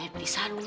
lo udah jadi magnet